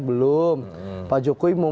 belum pak jokowi mau